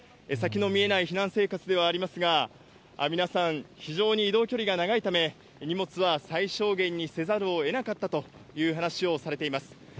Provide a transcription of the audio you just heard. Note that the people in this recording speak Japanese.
先の見えない避難生活ではありますが、皆さん、非常に移動距離が長いため、荷物は最小限にせざるをえなかったという話をされています。